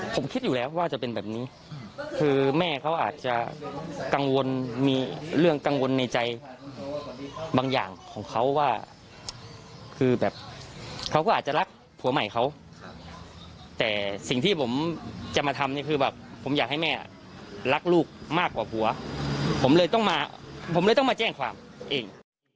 ผมคิดอยู่แล้วว่าจะเป็นแบบนี้คือแม่เขาอาจจะกังวลมีเรื่องกังวลในใจบางอย่างของเขาว่าคือแบบเขาก็อาจจะรักผัวใหม่เขาแต่สิ่งที่ผมจะมาทำเนี่ยคือแบบผมอยากให้แม่รักลูกมากกว่าผัวผมเลยต้องมาผมเลยต้องมาแจ้งความเอง